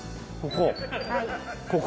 ここ？